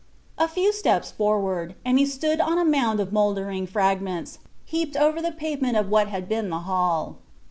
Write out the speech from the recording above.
A few steps forward, and he stood on a mound of moldering fragments, heaped over the pavement of what had been the hall.